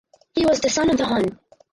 He was the son of the Hon.